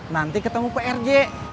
nanti ketemu prj